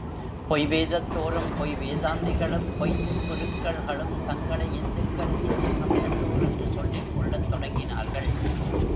பொய் வேதத்தோரும் பொய் வேதாந்திகளும் பொய்க்குருக்கள்களும் தங்களை இந்துக்கள், இந்து சமயத்தோர் என்று சொல்லிக் கொள்ளத் தொடங்கினார்கள்.